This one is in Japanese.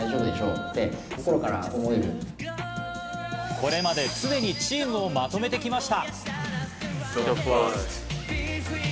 これまで常にチームをまとめてきました。